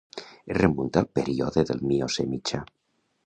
Es remunta al període del Miocè Mitjà.